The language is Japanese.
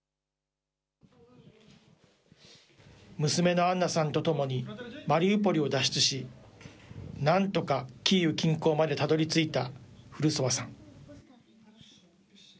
娘のアンナさんと共にマリウポリを脱出し、なんとかキーウ近郊までたどりついたフルソワさん。